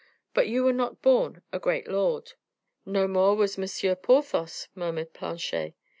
But you were not born a great lord." "No more was M. Porthos," murmured Planchet.